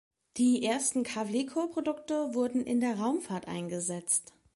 Die ersten Kavlico-Produkte wurden in der Raumfahrt eingesetzt.